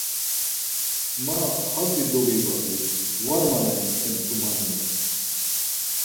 Ma hatzi dobibadi var malen emtumani, ya.